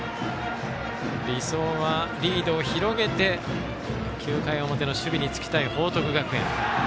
理想はリードを広げて９回の表の守備につきたい報徳学園。